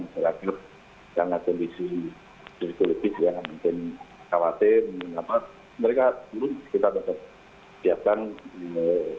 karena kondisi ekologis yang mungkin khawatir mereka turun sekitar berkali kali